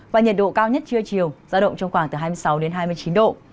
và nhiệt độ cao nhất trưa chiều giao động trong khoảng từ hai mươi sáu đến hai mươi chín độ